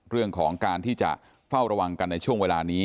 เรื่องของการที่จะเฝ้าระวังกันในช่วงเวลานี้